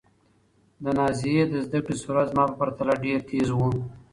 د نازيې د زده کړې سرعت زما په پرتله ډېر تېز و.